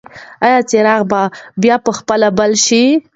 ایا څراغ به بیا په خپله بل شي؟